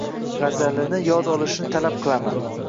G‘azalini yod olishini talab qilaman.